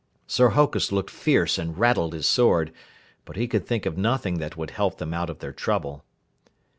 Sir Hokus looked fierce and rattled his sword, but he could think of nothing that would help them out of their trouble.